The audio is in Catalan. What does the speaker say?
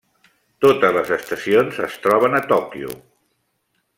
Totes les estacions es troben a Tòquio.